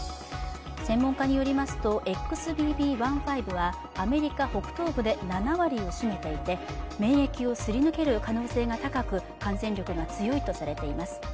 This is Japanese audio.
専門家によりますと、ＸＢＢ．１．５は、アメリカ北東部で７割を占めていて免疫をすり抜ける可能性が高く感染力が強いとされています。